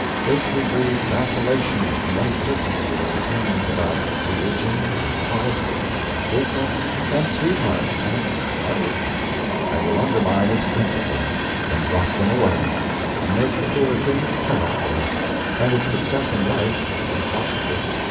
This will breed vacillation and uncertainty in its opinions about religion, and politics, and business, and sweethearts, and everything, and will undermine its principles, and rot them away, and make the poor thing characterless, and its success in life impossible.